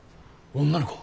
女の子？